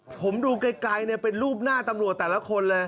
ผมดูไกลเป็นรูปหน้าตำรวจแต่ละคนเลย